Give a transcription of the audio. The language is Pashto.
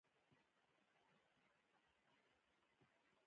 د مصادقو له ذکره ونه ډارېږي.